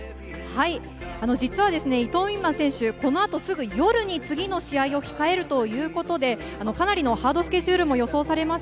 実は伊藤美誠選手、この後すぐに夜、次の試合を控えるということで、かなりのハードスケジュールも予想されます。